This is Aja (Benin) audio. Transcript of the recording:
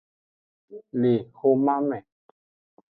Le woman me.